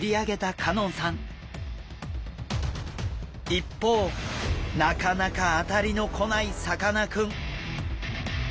一方なかなか当たりの来ないさかなクン。